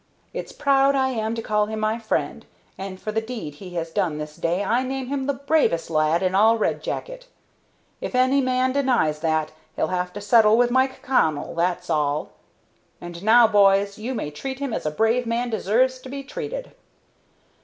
It's proud I am to call him my friend, and for the deed he has done this day I name him the bravest lad in all Red Jacket. If any man denies that, he'll have to settle with Mike Connell, that's all. And now, boys, you may treat him as a brave man deserves to be treated."